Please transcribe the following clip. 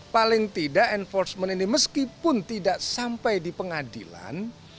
paling tidak enforcement ini meskipun tidak sampai di pengadilan